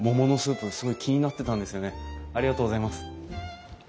ありがとうございます。